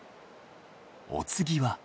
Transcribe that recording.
お次は？